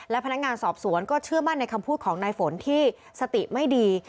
และพนักงานสอบสวนก็เชื่อมั่นในคำพูดของนายฝนที่สติไม่ดี